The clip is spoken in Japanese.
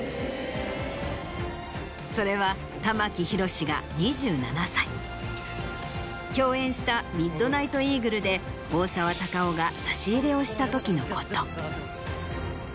それは玉木宏が２７歳共演した『ミッドナイトイーグル』で大沢たかおが差し入れをした時のこと。